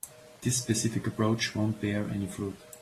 This specific approach won't bear any fruit.